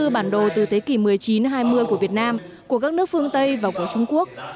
hai mươi bản đồ từ thế kỷ một mươi chín hai mươi của việt nam của các nước phương tây và của trung quốc